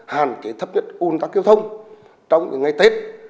hàn kể thấp nhất un tăng giao thông trong những ngày tết